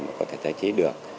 mà có thể tái chế được